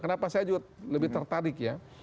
kenapa saya juga lebih tertarik ya